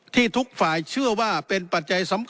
ทุกฝ่ายเชื่อว่าเป็นปัจจัยสำคัญ